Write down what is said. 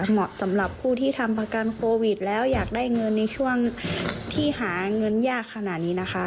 เหมาะสำหรับผู้ที่ทำประกันโควิดแล้วอยากได้เงินในช่วงที่หาเงินยากขนาดนี้นะคะ